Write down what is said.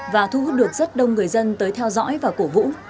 và thu hút được rất đông người dân tới theo dõi và cổ vũ